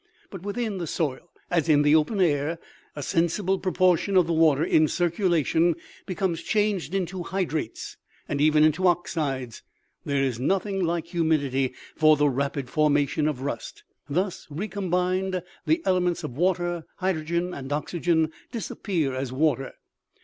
But, within the soil, as in the open air, a sensible proportion of the water in circulation becomes changed into hydrates, and even into oxides ; there is nothing like humidity for the rapid formation of rust. Thus recombined, the elements of water, hydrogen and oxygen, disappear as water.